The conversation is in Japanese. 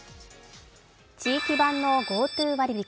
地域版のＧｏＴｏ割引